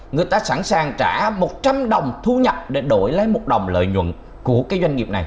người ta sẵn sàng trả một trăm linh đồng thu nhập để đổi lấy một đồng lợi nhuận của cái doanh nghiệp này